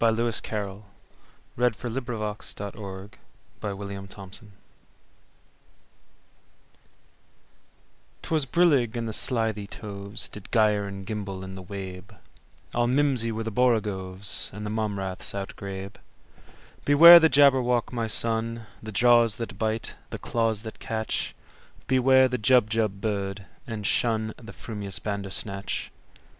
1895. Lewis Carroll 1832–98 Jabberwocky CarrollL 'T WAS brillig, and the slithy tovesDid gyre and gimble in the wabe; All mimsy were the borogoves, And the mome raths outgrabe."Beware the Jabberwock, my son! The jaws that bite, the claws that catch! Beware the Jubjub bird, and shunThe frumious Bandersnatch!"